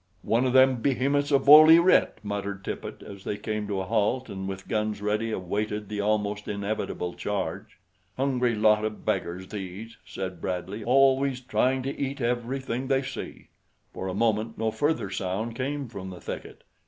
"One of them behemoths of 'Oly Writ," muttered Tippet as they came to a halt and with guns ready awaited the almost inevitable charge. "Hungry lot o' beggars, these," said Bradley; "always trying to eat everything they see." For a moment no further sound came from the thicket.